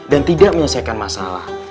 dan tidak menyelesaikan masalah